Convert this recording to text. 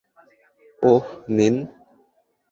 ওহ, নিন।